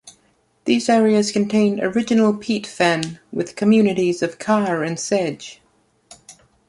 These areas contain original peat fen with communities of carr and sedge.